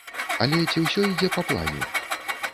Але ці ўсё ідзе па плане?